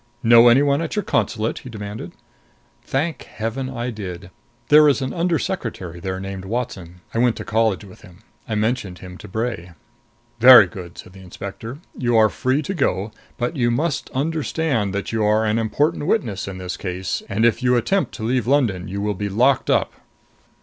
"Know any one at your consulate?" he demanded. Thank heaven, I did! There is an under secretary there named Watson I went to college with him. I mentioned him to Bray. "Very good," said the inspector. "You are free to go. But you must understand that you are an important witness in this case, and if you attempt to leave London you will be locked up."